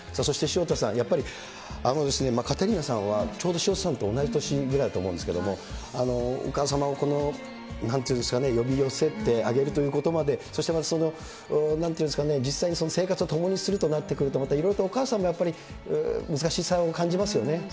そして潮田さん、やっぱり、カテリーナさんはちょうど潮田さんと同じ年ぐらいだと思うんですけれども、お母様をこの、なんというんですかね、呼び寄せてあげるということまで、そしてまたそのなんていうんですかね、実際に生活を共にするとなってくると、またいろいろとお母さんも難しさを感じますよね。